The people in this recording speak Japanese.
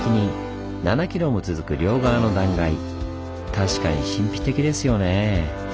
確かに神秘的ですよねぇ。